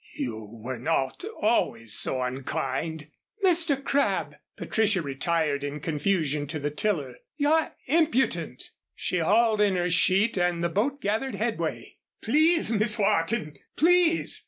"You were not always so unkind." "Mr. Crabb!" Patricia retired in confusion to the tiller. "You're impudent!" She hauled in her sheet and the boat gathered headway. "Please, Miss Wharton, please!"